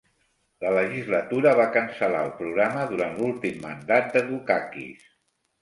La legislatura va cancel·lar el programa durant l'últim mandat de Dukakis.